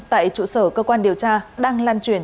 tại trụ sở cơ quan điều tra đang lan truyền